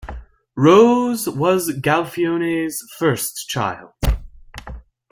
Rose was Galfione's first child.